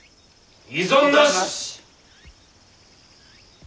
異存なし！